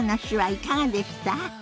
いかがでした？